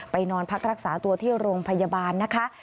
นอนพักรักษาตัวที่โรงพยาบาลนะคะ